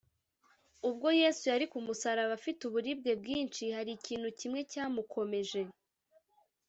ubwo yesu yari ku musaraba afite uburibwe bwinshi, hari ikintu kimwe cyamukomeje